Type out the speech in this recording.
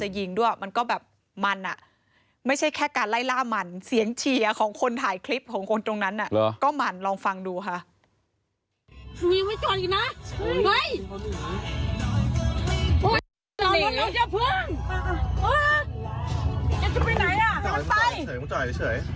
โหยพยายามเอานอนโดยเดี๋ยวเพิ้งเอาไปไหนอ่ะมันไป